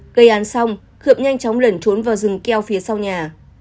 gây án xong khượm nhanh chóng lẩn trốn vào rừng keo phía sau nhà